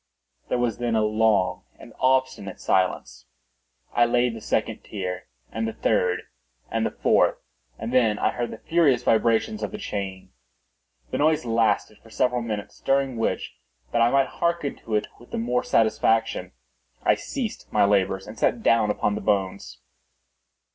There was then a long and obstinate silence. I laid the second tier, and the third, and the fourth; and then I heard the furious vibrations of the chain. The noise lasted for several minutes, during which, that I might hearken to it with the more satisfaction, I ceased my labors and sat down upon the bones.